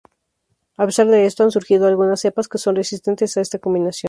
A pesar de esto, han surgido algunas cepas que son resistentes a esta combinación.